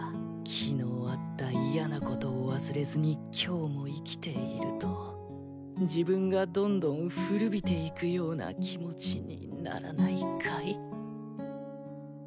昨日あった嫌なことを忘れずに今日も生きていると自分がどんどん古びていくような気持ちにならないかい？